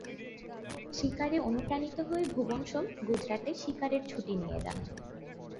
শিকারে অনুপ্রাণিত হয়ে ভুবন সোম গুজরাটে "শিকারের ছুটি" নিয়ে যান।